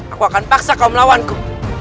aku akan paksa kau melawan aku